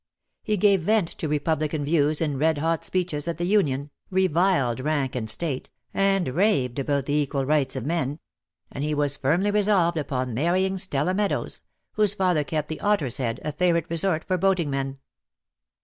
He gave vent to repubUcan views in red hot speeches at the Union, reviled rank and state, and raved about the equal rights of men; and he was firmly resolved upon marrying Stella Meadows, whose father kept the "Otter's Head," a favourite resort for boating men.